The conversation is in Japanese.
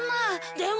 でも。